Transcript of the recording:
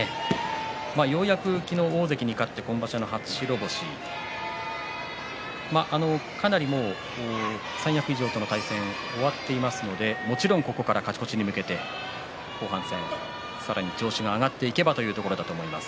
ようやく昨日大関に勝って今場所の初白星三役以上との対戦はかなり終わっていますのでもちろんここから勝ち越しに向けて後半戦、さらに調子が上がっていけばというところだと思います。